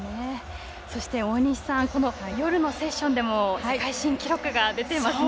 大西さん夜のセッションでも世界新記録が出ていますね。